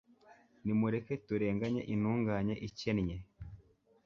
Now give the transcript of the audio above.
nimureke turenganye intungane ikennye